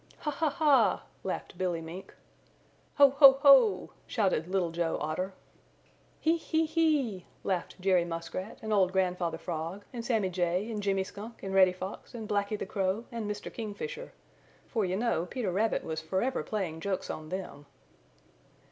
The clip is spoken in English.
"Ha! ha! ha!" laughed Billy Mink. "Ho! ho! ho!" shouted Little Joe Otter. "He! he! he!" laughed Jerry Muskrat and old Grandfather Frog and Sammy Jay and Jimmy Skunk and Reddy Fox and Blacky the Crow and Mr. Kingfisher, for you know Peter Rabbit was forever playing jokes on them.